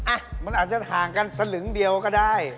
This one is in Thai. อ่ะมันอาจจะห่างกันสลึงเดียวก็ได้